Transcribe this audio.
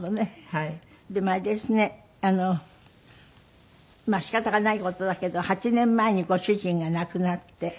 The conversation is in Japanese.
でもあれですねまあ仕方がない事だけど８年前にご主人が亡くなって。